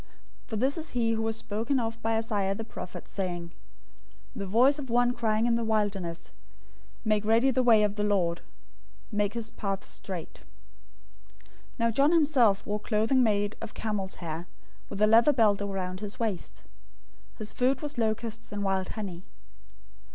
003:003 For this is he who was spoken of by Isaiah the prophet, saying, "The voice of one crying in the wilderness, make ready the way of the Lord. Make his paths straight."{Isaiah 40:3} 003:004 Now John himself wore clothing made of camel's hair, with a leather belt around his waist. His food was locusts and wild honey.